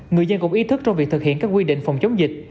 người dân cũng ý thức trong việc thực hiện các quy định phòng chống dịch